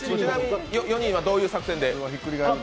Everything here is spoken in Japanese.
ちなみに４人はどういう作戦で？